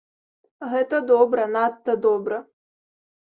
Гэта добра, надта добра!